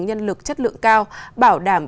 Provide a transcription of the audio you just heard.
nhân lực chất lượng cao bảo đảm